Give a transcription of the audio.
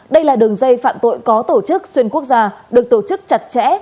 đây là đường dây phạm tội có tổ chức xuyên quốc gia được tổ chức chặt chẽ